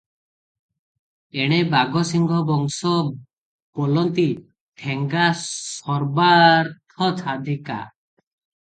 ଏଣେ ବାଘସିଂହ ବଂଶ ବୋଲନ୍ତି, "ଠେଙ୍ଗା ସର୍ବାର୍ଥସାଧିକା"।